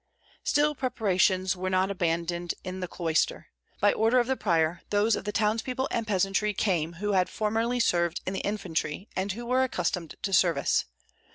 Still, preparations were not abandoned in the cloister. By order of the prior, those of the townspeople and peasantry came who had formerly served in the infantry and who were accustomed to service.